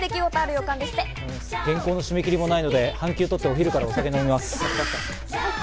原稿の締め切りもないので、半休を取って、お昼からお酒を飲みます。